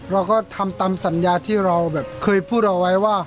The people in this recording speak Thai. เราก็ทำตามสัญญาที่เราแบบเคยพูดเอาไว้ว่า